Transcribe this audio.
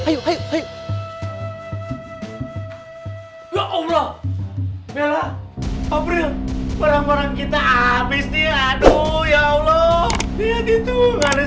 ayo ya allah bella april barang barang kita habis nih aduh ya allah lihat itu ada